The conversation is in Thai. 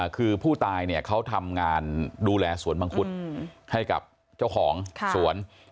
คือผู้ตายเนี่ยเขาทำงานดูแลสวนมังคุดให้กับเจ้าของสวน